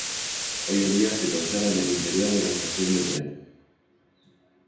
Hoy en día se conserva en el interior de la estación de tren.